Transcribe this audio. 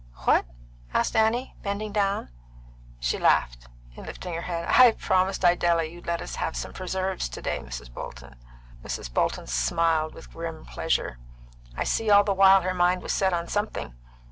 "What?" asked Annie, bending down; she laughed, in lifting her head, "I promised Idella you'd let us have some preserves to day, Mrs. Bolton." Mrs. Bolton smiled with grim pleasure. "I see all the while her mind was set on something.